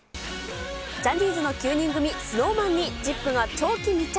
ジャニーズの９人組、ＳｎｏｗＭａｎにＺＩＰ！が長期密着。